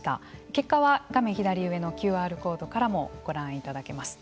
結果は画面左上のＱＲコードからもご覧いただけます。